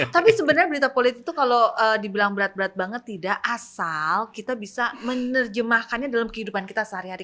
tapi sebenarnya berita politik itu kalau dibilang berat berat banget tidak asal kita bisa menerjemahkannya dalam kehidupan kita sehari hari